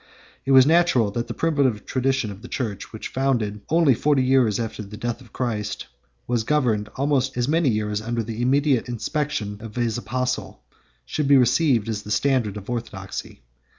17 It was natural that the primitive tradition of a church which was founded only forty days after the death of Christ, and was governed almost as many years under the immediate inspection of his apostle, should be received as the standard of orthodoxy.